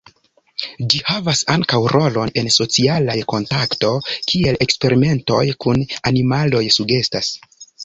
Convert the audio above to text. Ĝi havas ankaŭ rolon en socialaj kontakto, kiel eksperimentoj kun animaloj sugestas.